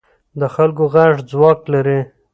د خلکو غږ ځواک لري